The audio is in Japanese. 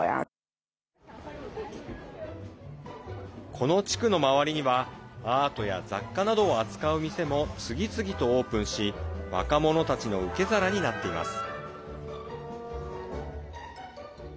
この地区の周りにはアートや雑貨などを扱う店も次々とオープンし若者たちの受け皿になっています。